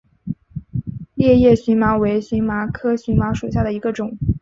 裂叶荨麻为荨麻科荨麻属下的一个种。